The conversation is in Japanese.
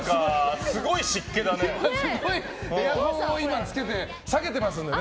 エアコンをつけて今、下げてますので。